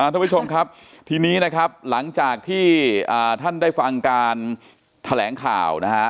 ทุกผู้ชมครับทีนี้นะครับหลังจากที่ท่านได้ฟังการแถลงข่าวนะฮะ